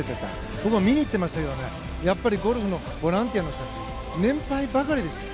僕も見に行ってましたけどゴルフのボランティアの人たち年配ばかりでしたよ。